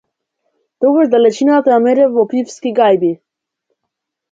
Тогаш далечината ја мерев во пивски гајби.